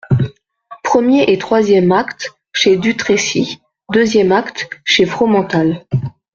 Premier et troisième acte, chez Dutrécy ; deuxième acte, chez Fromental.